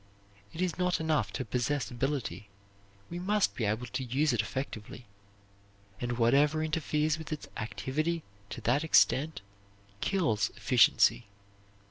It is not enough to possess ability. We must be able to use it effectively, and whatever interferes with its activity to that extent kills efficiency.